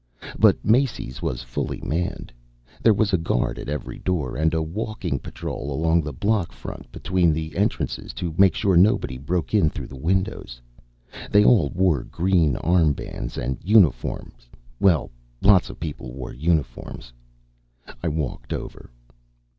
But Macy's was fully manned. There was a guard at every door and a walking patrol along the block front between the entrances to make sure nobody broke in through the windows. They all wore green armbands and uniforms well, lots of people wore uniforms. I walked over.